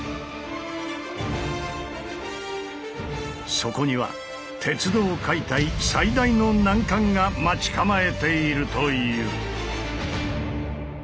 そこには鉄道解体最大の難関が待ち構えているという！